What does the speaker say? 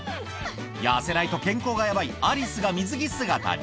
痩せないと健康がやばいアリスが水着姿に。